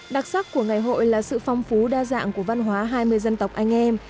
đặc sắc của ngày hội là sự phong phú đa dạng của văn hóa hai mươi dân tộc anh em